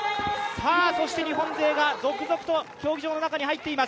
そして日本勢が続々と競技場の中に入っています。